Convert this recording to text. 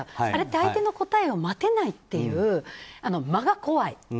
あれって、相手の答えを待てないという、間が怖い。